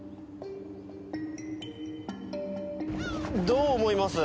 どう思います？